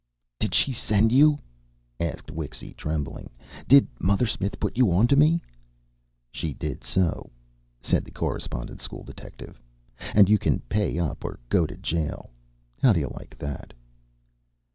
"Did she send you?" asked Wixy, trembling. "Did Mother Smith put you onto me?" "She did so," said the Correspondence School detective. "And you can pay up or go to jail. How'd you like that?"